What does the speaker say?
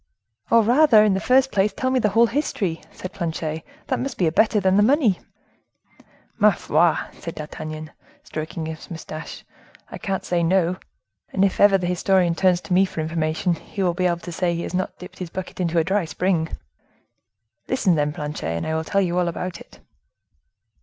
"Oh! rather, in the first place, tell me the whole history," said Planchet; "that must be better than the money." "Ma foi!" said D'Artagnan, stroking his mustache, "I can't say no; and if ever the historian turns to me for information, he will be able to say he has not dipped his bucket into a dry spring. Listen, then, Planchet, I will tell you all about it."